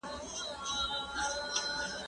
زه اجازه لرم چي پوښتنه وکړم!.